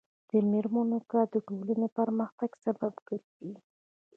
د میرمنو کار د ټولنې پرمختګ سبب ګرځي.